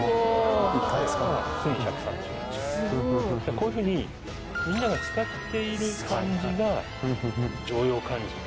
こういうふうにみんなが使っている漢字が常用漢字。